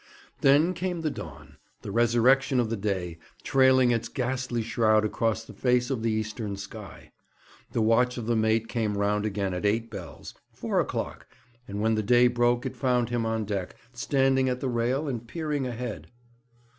Then came the dawn, the resurrection of the day, trailing its ghastly shroud across the face of the eastern sky. The watch of the mate came round again at eight bells four o'clock and when the day broke it found him on deck, standing at the rail, and peering ahead.